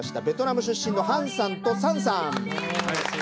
ベトナム出身のハンさんとサンさん。